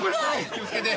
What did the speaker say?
気を付けて。